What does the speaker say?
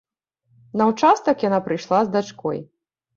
На ўчастак яна прыйшла з дачкой.